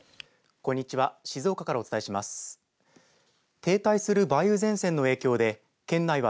こんにちは。